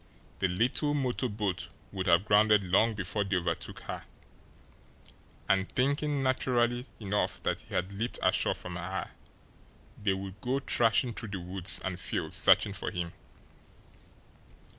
The little motor boat would have grounded long before they overtook her, and, thinking naturally enough, that he had leaped ashore from her, they would go thrashing through the woods and fields searching for him!